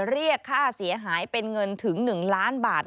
เรียกค่าเสียหายเป็นเงินถึง๑ล้านบาท